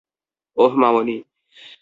ওহ, মামণি।